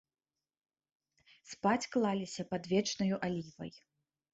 Спаць клаліся пад вечнаю алівай.